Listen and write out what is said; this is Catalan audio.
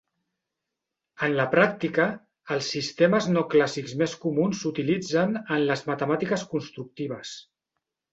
En la pràctica, els sistemes no clàssics més comuns s'utilitzen en les matemàtiques constructives.